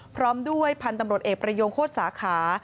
พร้อมด้วยพันธุ์ตำรวจเอกประโยงโคตรสาขา